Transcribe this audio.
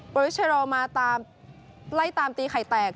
โปรวิสเชโรมาใต้ตามตีไขแตก